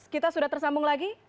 kita sudah tersambung lagi